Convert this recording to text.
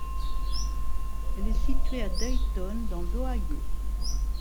Elle est située à Dayton, dans l'Ohio.